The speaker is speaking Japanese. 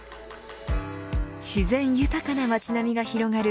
自然豊かな街並みが広がる